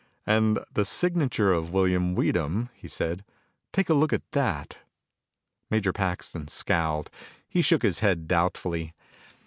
"And the signature of William Weedham," he said. "Take a look at that?" Major Paxton scowled. He shook his head doubtfully.